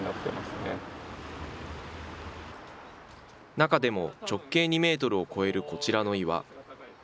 中でも直径２メートルを超えるこちらの岩。